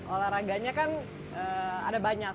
olahraganya kan ada banyak